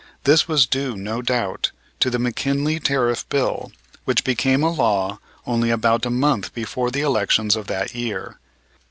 This was due, no doubt, to the McKinley Tariff Bill which became a law only about a month before the elections of that year.